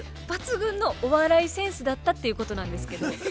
抜群のお笑いセンスだったっていうことなんですけどね。